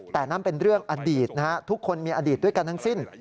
แต่นั่นเป็นเรื่องอดีตนะฮะทุกคนมีอดีตด้วยกันทั้งสิ้น